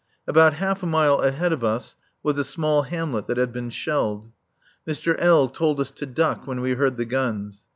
About half a mile ahead of us was a small hamlet that had been shelled. Mr. L. told us to duck when we heard the guns.